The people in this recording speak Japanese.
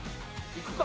いくか！